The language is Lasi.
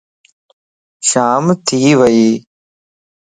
شام ٿي ويئي